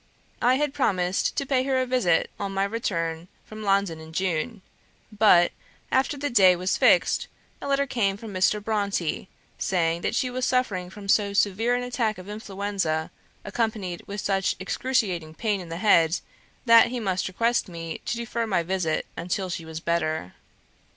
I had promised to pay her a visit on my return from London in June; but, after the day was fixed, a letter came from Mr. Brontë, saying that she was suffering from so severe an attack of influenza, accompanied with such excruciating pain in the head, that he must request me to defer my visit until she was better.